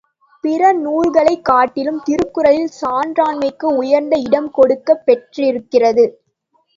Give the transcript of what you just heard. பிற நூல்களைக் காட்டிலுந் திருக்குறளில் சான்றாண்மைக்கு உயர்ந்த இடம் கொடுக்கப் பெற்றிருக்கிறது.